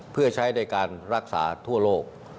เพื่อใช้ในการรักษาทั่วโลก